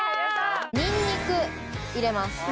ニンニク入れます。